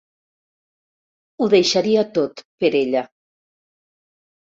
Ho deixaria tot, per ella.